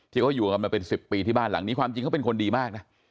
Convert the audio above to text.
ที่เขาอยู่กันมาเป็น๑๐ปีที่บ้านหลังนี้ความจริงเขาเป็นคนดีมากนะ